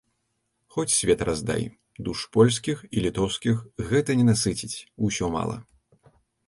Хоць свет раздай, душ польскіх і літоўскіх гэта не насыціць, усё мала!